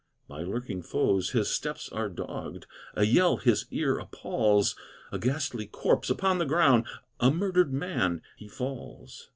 By lurking foes his steps are dogged, A yell his ear appalls! A ghastly corpse, upon the ground, A murdered man, he falls.